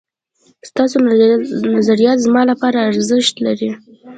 ستاسو نظريات زما لپاره ارزښت لري